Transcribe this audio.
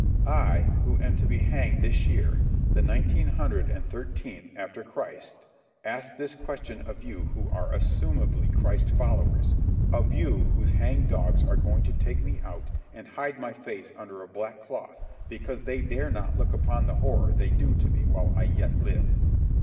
I, who am to be hanged this year, the nineteen hundred and thirteenth after Christ, ask these questions of you who are assumably Christ's followers, of you whose hang dogs are going to take me out and hide my face under a black cloth because they dare not look upon the horror they do to me while I yet live.